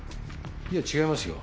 いえ違いますよ。